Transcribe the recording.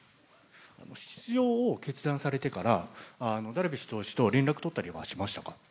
出場を決断されてからダルビッシュ投手と連絡は取ったことがありますか？